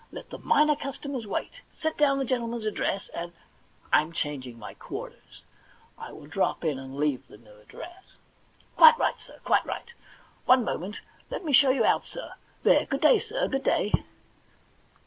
Let the minor customers wait. Set down the gentleman's address and I'm changing my quarters. I will drop in and leave the new address.' * Quite right, sir, quite right. One moment — let me show you out, sir. There— good day, sir, good day.'